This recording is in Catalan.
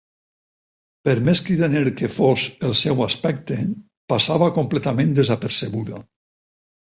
Per més cridaner que fos el seu aspecte, passava completament desapercebuda.